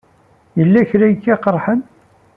Yella kra ay k-iqerḥen?